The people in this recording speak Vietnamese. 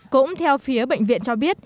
cũng theo phía bệnh viện cho biết